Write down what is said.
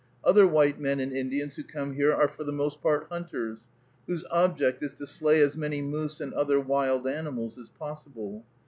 Other white men and Indians who come here are for the most part hunters, whose object is to slay as many moose and other wild animals as possible.